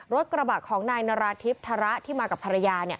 รถกระบะของนายนาราธิบธระที่มากับภรรยา